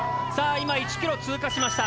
今１ｋｍ通過しました。